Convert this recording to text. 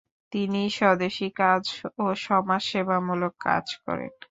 তিনি স্বদেশী কাজ ও সমাজ সেবামুলক কাজ করেন।